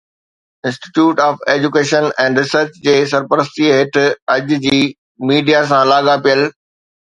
institute of education and research جي سرپرستي هيٺ اڄ جي ميڊيا سان لاڳاپيل